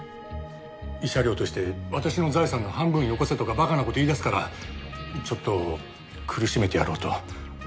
慰謝料として私の財産の半分よこせとか馬鹿な事言い出すからちょっと苦しめてやろうと。